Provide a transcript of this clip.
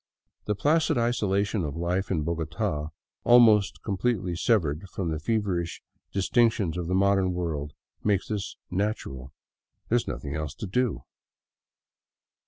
The placid isolation of life in Bogota, almost completely severed from the feverish distractions of the modern world, makes this natural. There is nothing else to do.